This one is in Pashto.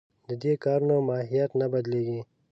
د دې کارونو ماهیت نه بدلېږي.